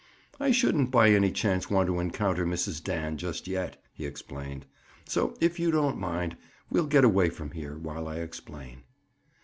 "I shouldn't by any chance want to encounter Mrs. Dan just yet," he explained. "So if you don't mind, we'll get away from here, while I explain."